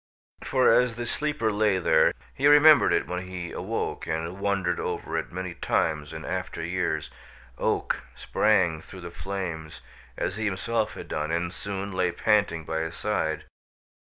For as the sleeper lay there he remembered it when he awoke and wondered over it many times in after years Oak sprang through the flames, as he himself had done, and soon lay panting by his side.